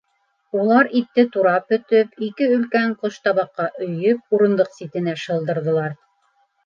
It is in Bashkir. Улар итте турап бөтөп, ике өлкән ҡоштабаҡҡа өйөп, урындыҡ ситенә шылдырҙылар.